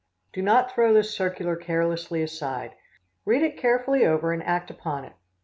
Do not throw this circular carelessly aside. Read it carefully over and act upon it.